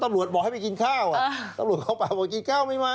บอกให้ไปกินข้าวตำรวจเข้าไปบอกกินข้าวไม่มา